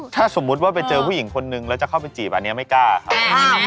ถ้าสมมุติว่าไปเจอผู้หญิงคนนึงแล้วจะเข้าไปจีบอันนี้ไม่กล้าครับ